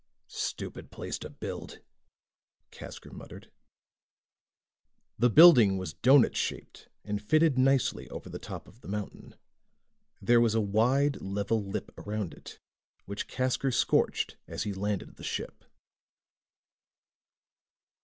"Stupid place to build," Casker muttered. The building was doughnut shaped, and fitted nicely over the top of the mountain. There was a wide, level lip around it, which Casker scorched as he landed the ship.